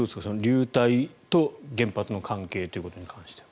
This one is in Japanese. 流体と原発の関係ということについては。